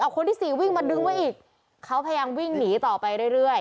คนที่สี่วิ่งมาดึงไว้อีกเขาพยายามวิ่งหนีต่อไปเรื่อย